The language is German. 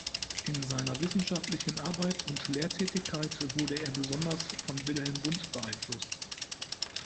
In seiner wissenschaftlichen Arbeit und Lehrtätigkeit wurde er besonders von Wilhelm Wundt beeinflusst.